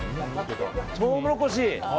トウモロコシ！